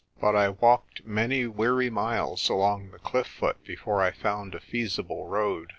But I walked many weary miles along the cliff foot before I found a feasible road.